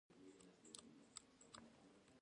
برابري هم د دې بحث برخه ده.